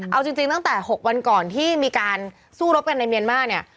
เอาจริงตั้งแต่๖วันก่อนที่มีการสู้รบกันในเมียนมาร์เนี่ย